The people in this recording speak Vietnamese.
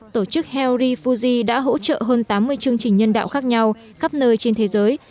tổ chức herry fuji đã hỗ trợ hơn tám mươi chương trình nhân đạo khác nhau khắp nơi trên thế giới